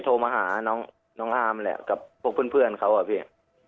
โทรมาหาน้องอาร์มแหละกับพวกเพื่อนเขาอะพี่